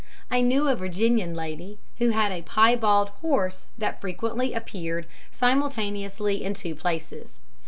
I knew a Virginian lady who had a piebald horse that frequently appeared simultaneously in two places.